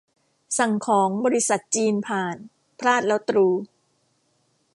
สั่งของบริษัทจีนผ่าน พลาดแล้วตรู